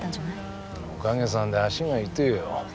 おかげさんで足が痛えよ。